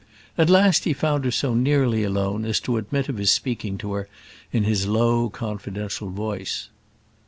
At last he found her so nearly alone as to admit of his speaking to her in his low confidential voice.